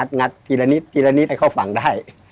ก็งัดทีละนิดให้เข้าฝั่งได้